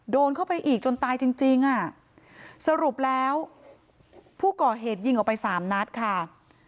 โดนเข้าไปอีกจนตายจริงจริงอ่ะสรุปแล้วผู้ก่อเหตุยิงออกไปสามนัดค่ะ